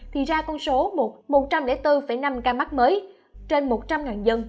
thì ra con số một trăm linh bốn năm ca mắc mới trên một trăm linh dân